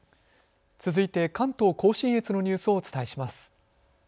続いて関東甲信越のニュースをお伝えします。